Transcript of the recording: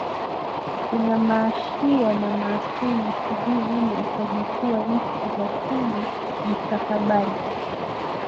kuna maashia na maasuni sijui nani atajukuwa nchi lakini mstakabali